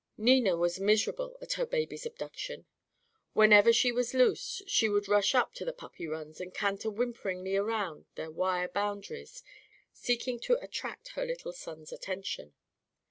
Nina was miserable at her baby's abduction. Whenever she was loose she would rush up to the puppy runs and canter whimperingly around their wire boundaries, seeking to attract her little son's attention.